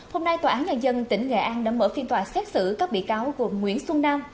hôm nay tòa án nhân dân tỉnh nghệ an đã mở phiên tòa xét xử các bị cáo gồm nguyễn xuân nam